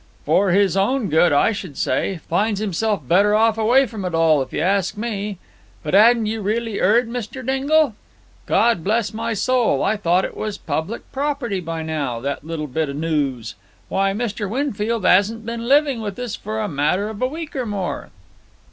"For his own good, I should say. Finds himself better off away from it all, if you ask me. But 'adn't you reelly heard, Mr. Dingle? God bless my soul! I thought it was public property by now, that little bit of noos. Why, Mr. Winfield 'asn't been living with us for the matter of a week or more."